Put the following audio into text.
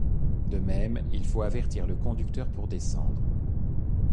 De même, il faut avertir le conducteur pour descendre.